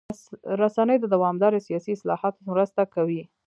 رسنۍ د دوامداره سیاسي اصلاحاتو مرسته کوي.